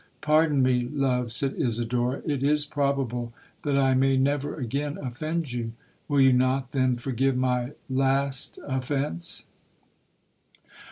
'—'Pardon me, love,' said Isidora; 'it is probable that I may never again offend you—will you not, then, forgive my last offence?'